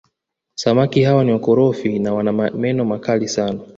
Samaki hawa ni wakorofi na wana meno makali sana